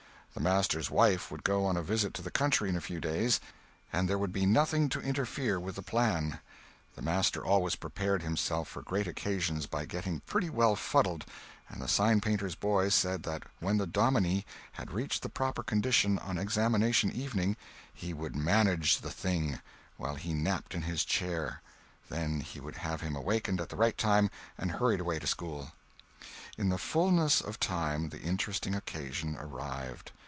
The master's wife would go on a visit to the country in a few days, and there would be nothing to interfere with the plan; the master always prepared himself for great occasions by getting pretty well fuddled, and the signpainter's boy said that when the dominie had reached the proper condition on Examination Evening he would "manage the thing" while he napped in his chair; then he would have him awakened at the right time and hurried away to school. In the fulness of time the interesting occasion arrived.